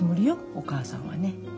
お母さんはね。